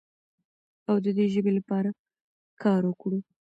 او د دې ژبې لپاره کار وکړو.